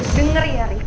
dengar ya rik